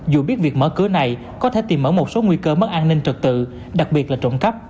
dù biết việc mở cửa này có thể tìm mở một số nguy cơ mất an ninh trật tự đặc biệt là trộm cắp